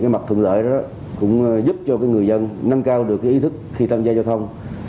mặt thường lợi đó cũng giúp cho người dân nâng cao được ý thức khi tăng giao giao thông